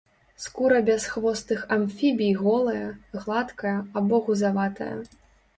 Скура бясхвостых амфібій голая, гладкая або гузаватая.